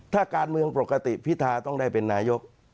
ถ้าการเมืองปกติพิทาต้องได้เป็นนายก